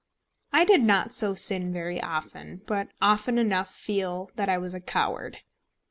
I did not so sin very often, but often enough to feel that I was a coward.